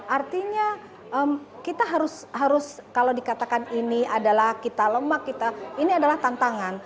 artinya kita harus kalau dikatakan ini adalah kita lemak kita ini adalah tantangan